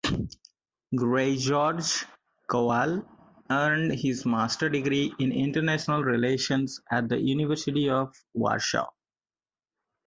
Grzegorz Kowal earned his Master degree in international relations at the University of Warsaw.